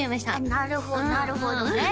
なるほどなるほどね